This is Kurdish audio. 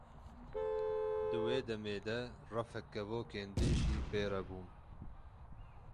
Di wê demê de refek kevokên din jî pê re bûn.